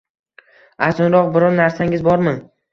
Arzonroq biror narsangiz bormi?